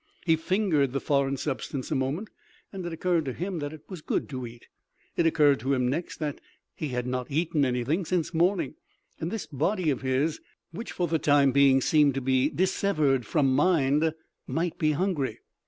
He fingered the foreign substance a moment, and it occurred to him that it was good to eat. It occurred to him next that he had not eaten anything since morning, and this body of his, which for the time being seemed to be dissevered from mind, might be hungry.